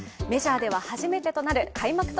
メジャーでは初めてとなる開幕